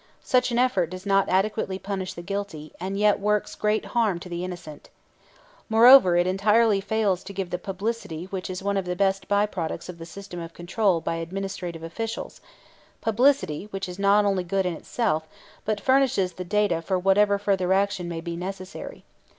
Such an effort does not adequately punish the guilty, and yet works great harm to the innocent. Moreover, it entirely fails to give the publicity which is one of the best by products of the system of control by administrative officials; publicity, which is not only good in itself, but furnishes the data for whatever further action may be necessary.